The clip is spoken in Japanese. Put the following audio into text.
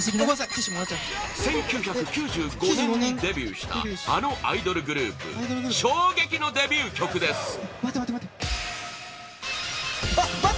１９９５年にデビューしたあのアイドルグループ衝撃のデビュー曲です待って！